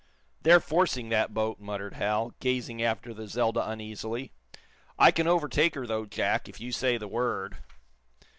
"They're forcing that boat," muttered Hal, gazing after the "Zelda" uneasily. "I can overtake her, though, Jack, if you say the word."